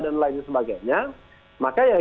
dan lain sebagainya maka ya